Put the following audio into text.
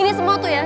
ini semua tuh ya